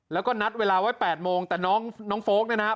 แล้วก็นัดเวลาไว้แปดโมงแต่น้องน้องโฟล์กเนี่ยนะฮะ